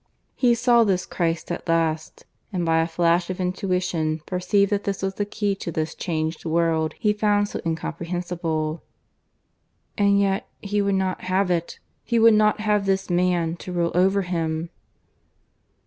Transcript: He saw this Christ at last, and by a flash of intuition perceived that this was the key to this changed world he found so incomprehensible; and yet he would not have it he would not have this Man to rule over him.